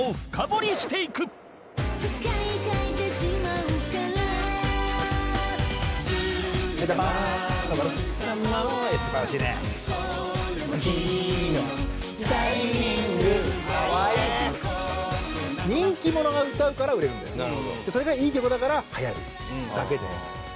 それがいい曲だからはやるってだけで。